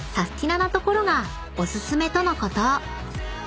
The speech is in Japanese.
なところがお薦めとのこと］